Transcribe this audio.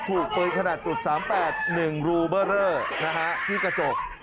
ถูกปืนขนาด๓๘๑รูเบอร์เรอที่กระจก